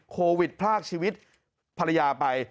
โควิดพรากชีวิตภรรยาไป